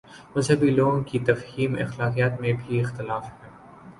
مذہبی لوگوں کی تفہیم اخلاقیات میں بھی اختلاف ہے۔